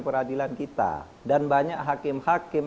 peradilan kita dan banyak hakim hakim